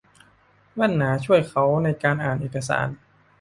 แว่นหนาช่วยเขาในการอ่านเอกสาร